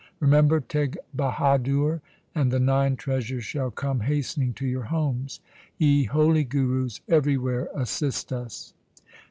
Remember Teg Bahadur and the nine treasures shall come hastening to your homes. Ye holy Gurus, everywhere assist us